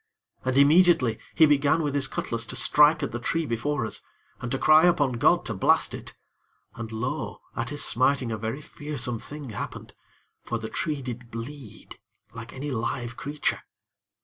And, immediately, he began with his cutlass to strike at the tree before us, and to cry upon God to blast it; and lo! at his smiting a very fearsome thing happened, for the tree did bleed like any live creature.